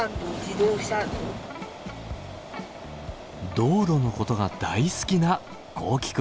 道路のことが大好きな豪輝君。